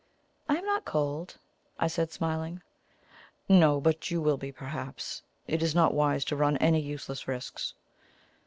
"I am not cold," I said, smiling. "No; but you will be, perhaps. It is not wise to run any useless risks."